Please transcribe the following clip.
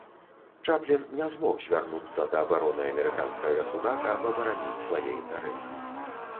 Чаплін не змог звярнуцца да абароны амерыканскага суда, каб абараніць свае інтарэсы.